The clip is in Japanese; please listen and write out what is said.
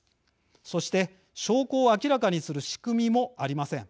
そして、証拠を明らかにする仕組みもありません。